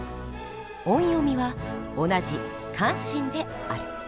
音読みは同じ「カンシン」である。